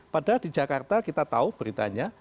padahal di jakarta kita tahu beritanya